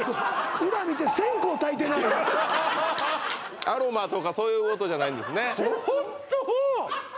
裏見てアロマとかそういうことじゃないんですね